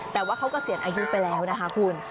แต่ว่าเขาก็เศียร้ายูไปแล้วนะคะคุณ